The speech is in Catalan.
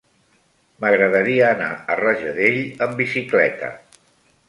M'agradaria anar a Rajadell amb bicicleta.